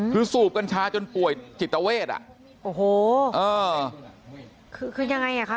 คือสูบกัญชาจนปวดจิตเวศครับโอ้โหคือยังไงแหละคะ